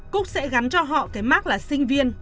cúc sẽ gắn cho họ cái mát là sinh viên